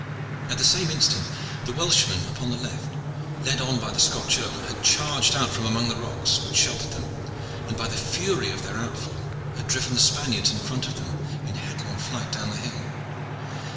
At the same instant the Welshmen upon the left, led on by the Scotch earl, had charged out from among the rocks which sheltered them, and by the fury of their outfall had driven the Spaniards in front of them in headlong flight down the hill.